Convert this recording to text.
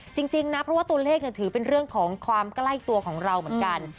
จริงนะเพราะว่าตัวเลขถือเป็นเรื่องของความใกล้ตัวของเราเหมือนกัน